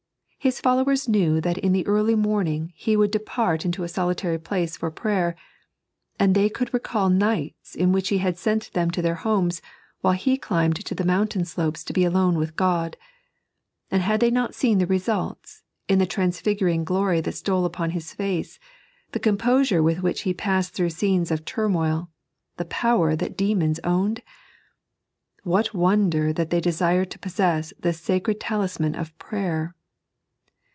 His foUoven knew that in the early morning He would depart into a solitary place for prayer; and they could recall nights in which He had sent them to their homee, while He climbed the mountain slopes to be alone with God ; and had they not seen the results, in the transfiguring glory that stole upon His face, the com posure with which He parsed through scenes of turmoil, the power that demons owned ? What wonder that they desired to possess this sacred talisman of prayer